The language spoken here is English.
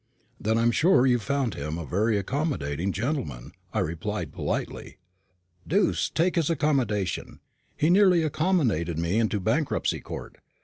"Then I'm sure you've found him a very accommodating gentleman," I replied, politely. "Deuce take his accommodation! He nearly accommodated me into the Bankruptcy Court.